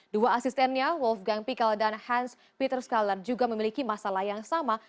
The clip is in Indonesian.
dua asistennya wolfgang pikel dan hans pieterskaller juga memiliki masalah yang sama